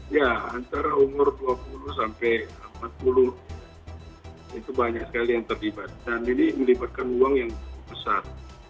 ya antara umur dua puluh sampai empat puluh itu banyak sekali yang terlibat dan ini melibatkan uang yang cukup besar